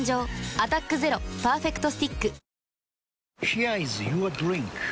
「アタックＺＥＲＯパーフェクトスティック」